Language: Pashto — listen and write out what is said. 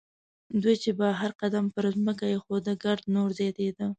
دوی چې به هر قدم پر ځمکه اېښود ګرد نور زیاتېده.